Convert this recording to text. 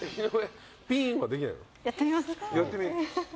やってみ。